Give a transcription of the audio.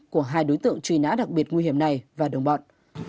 các đối tượng truy nã đặc biệt nguy hiểm này và đồng bọn